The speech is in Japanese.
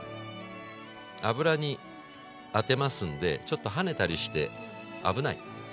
油に当てますんでちょっと跳ねたりして危ない。